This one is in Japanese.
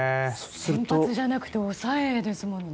先発じゃなくて抑えですもんね。